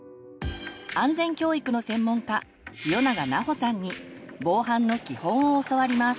安全教育の専門家清永奈穂さんに防犯の基本を教わります。